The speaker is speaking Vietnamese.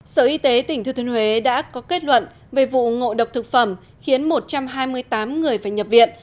sở y tế tỉnh thừa thuyên huế đã có kết luận về vụ ngộ độc thực phẩm khiến một trăm hai mươi tám người phải nhập viện